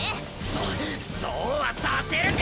そそうはさせるか！